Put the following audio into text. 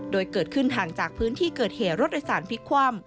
โดยเกิดขึ้นห่างจากพื้นที่เกิดแห่รถไอศาลพิกความ